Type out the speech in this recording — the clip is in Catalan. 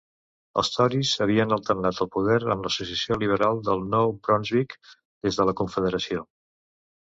Els Tories havien alternat el poder amb l'Associació Liberal del Nou Brunswick des de la Confederació.